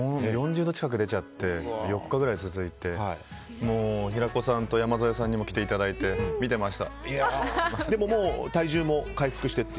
４０度近く出ちゃって４日ぐらい続いて平子さんと山添さんにもでも、もう体重も回復してと。